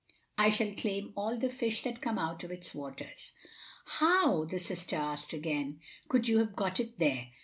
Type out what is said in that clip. I shall claim all the fish that come out of its waters." "How," the sister asked again, "could you have got it there?"